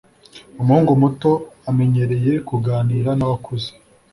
umuhungu muto amenyereye kuganira nabakuze.